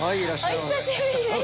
お久しぶりです。